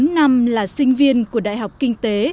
bốn năm là sinh viên của đại học kinh tế